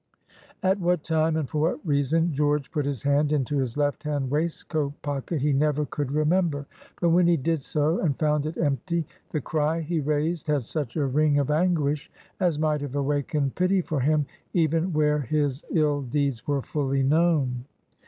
At what time and for what reason George put his hand into his left hand waistcoat pocket he never could remember. But when he did so, and found it empty, the cry he raised had such a ring of anguish as might have awakened pity for him, even where his ill deeds were fully known.